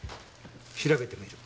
調べてみる。